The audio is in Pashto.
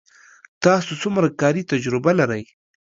تاسو څومره کاري تجربه لرئ